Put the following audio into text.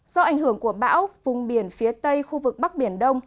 do ảnh hưởng của bão vùng biển phía tây khu vực bắc biển đông